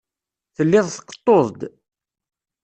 Tellid tqeṭṭuḍ-d.